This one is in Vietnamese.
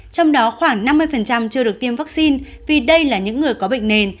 trong đó khoảng năm mươi chưa được tiêm vaccine vì đây là những người có bệnh nền